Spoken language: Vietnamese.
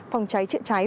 phòng cháy triệu cháy